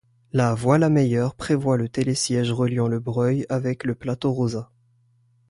La voie la meilleure prévoit le télésiège reliant le Breuil avec le plateau Rosa.